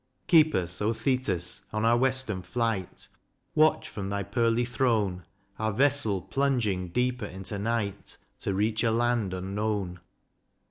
Keep us, O Thetis, on our Western flight, Watch from thy pearly throne Our vessel, plunging deeper into night To reach a land unknown.